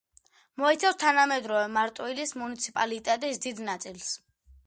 მოიცავს თანამედროვე მარტვილის მუნიციპალიტეტის დიდ ნაწილს.